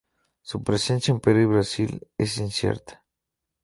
Su presencia en Perú y Brasil es incierta.